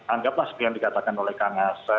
anggaplah seperti yang dikatakan oleh kang ase